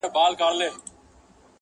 خو ذهن نه هېرېږي هېڅکله تل,